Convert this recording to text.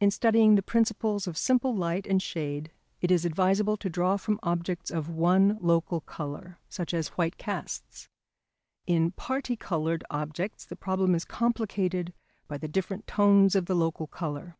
In studying the principles of simple light and shade it is advisable to draw from objects of one local colour, such as white casts. In parti coloured objects the problem is complicated by the different tones of the local colour.